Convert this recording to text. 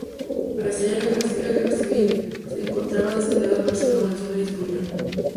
Al estallar la guerra civil se encontraba destinado en Barcelona en situación de disponible.